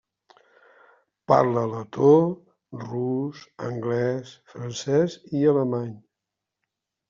Parla letó, rus, anglès, francès, i alemany.